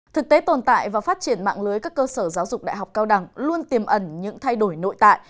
thực tế tồn tại và phát triển mạng lưới các cơ sở giáo dục đại học cao đẳng luôn tiềm ẩn những thay đổi nội tại